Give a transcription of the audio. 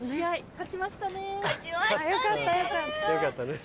勝ちましたねぇ。